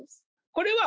これは。